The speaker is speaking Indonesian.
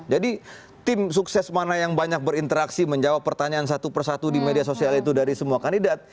jadi tim sukses mana yang banyak berinteraksi menjawab pertanyaan satu persatu di media sosial itu dari semua kandidat